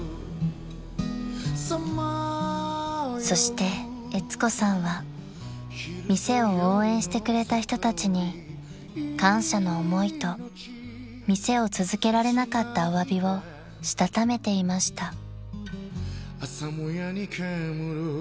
［そしてえつ子さんは店を応援してくれた人たちに感謝の思いと店を続けられなかったおわびをしたためていました］